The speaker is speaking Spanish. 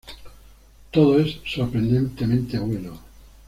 Todo es sorprendentemente bueno.